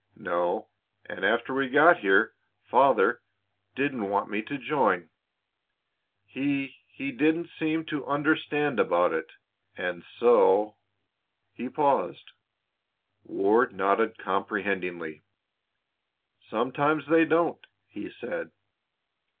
"No; and after we got here Father didn't want me to join. He he didn't seem to understand about it, and so " He paused; Ward nodded comprehendingly. "Sometimes they don't," he said.